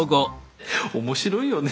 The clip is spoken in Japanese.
「面白いよね」